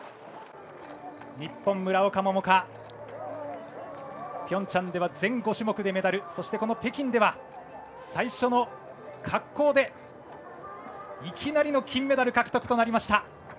日本、村岡桃佳ピョンチャンでは全５種目でメダルそして、北京では最初の滑降でいきなりの金メダル獲得となりました。